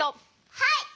はい！